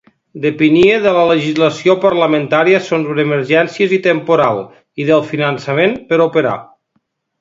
Depenia de la legislació parlamentària sobre emergències i temporal, i del finançament, per operar.